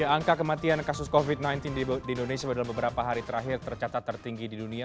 angka kematian kasus covid sembilan belas di indonesia dalam beberapa hari terakhir tercatat tertinggi di dunia